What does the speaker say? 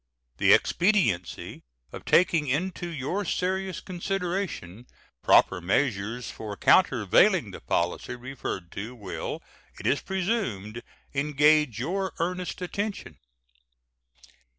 The expediency of taking into your serious consideration proper measures for countervailing the policy referred to will, it is presumed, engage your earnest attention.